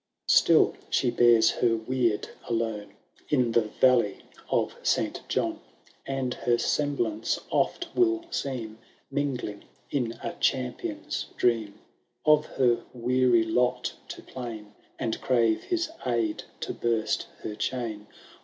XXVIII. '' Still she bears her weird alone. In the Valley of Saint John ; And her semblance oft will seem. Mingling in a champion's dream, Of her weary lot to plain. And crave his aid to burst her chain.